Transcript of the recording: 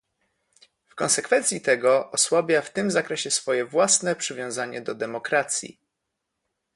W konsekwencji tego osłabia w tym zakresie swoje własne przywiązanie do demokracji